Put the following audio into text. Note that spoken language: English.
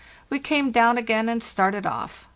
We came down again and started off.